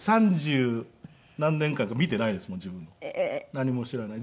何も知らない。